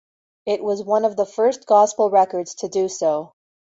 It was one of the first gospel records to do so.